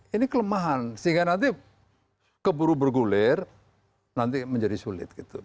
ini kelemahan sehingga nanti keburu bergulir nanti menjadi sulit